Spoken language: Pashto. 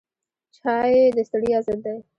چای د ستړیا ضد دی